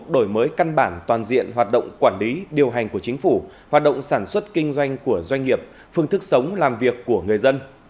đổi mới căn bản toàn diện hoạt động quản lý điều hành của chính phủ hoạt động sản xuất kinh doanh của doanh nghiệp phương thức sống làm việc của người dân